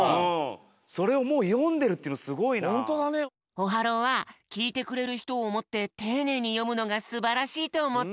オハローはきいてくれるひとをおもってていねいによむのがすばらしいとおもった。